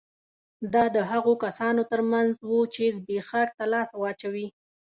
دا د هغو کسانو ترمنځ وو چې زبېښاک ته لاس واچوي